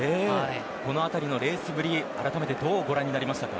このあたりのレースぶりどうご覧になりましたか？